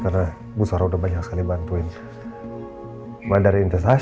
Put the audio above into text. karena bu zara udah banyak sekali bantuin